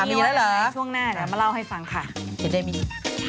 เคลียร์เรื่องคุณหมายคุณเจนี่